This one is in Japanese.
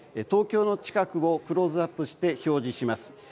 東京の近くをクローズアップして表示します。